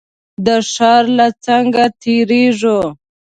د ښار له څنګ تېرېږو.